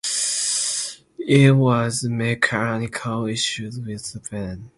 It was mechanical issues with the van.